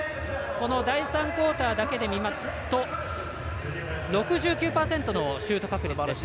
この第３クオーターだけで見ると６９％のシュート確率でした。